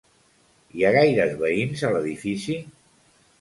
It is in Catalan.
Hi ha gaires veïns a l'edifici?